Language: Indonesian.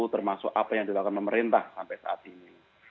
termasuk apa yang dilakukan pemerintah sampai saat ini